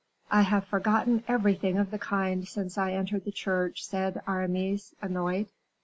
"I have forgotten everything of the kind since I entered the Church," said Aramis, annoyed.